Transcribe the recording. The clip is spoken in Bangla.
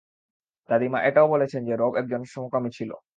দাদিমা এটাও বলেছেন যে রব একজন সমকামী ছিল।